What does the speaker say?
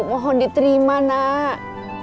mohon diterima nak